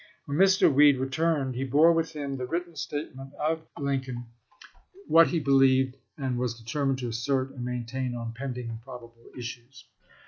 When Mr. Weed returned he bore with him the written statement of Lincoln ; 262 ABRAHAM LINCOLN chap. xvi. what he believed, and was determined to assert and maintain on pending and probable issues.